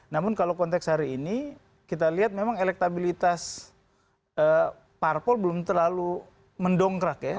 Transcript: namun kalau konteks hari ini kita lihat memang elektabilitas parpol belum terlalu mendongkrak ya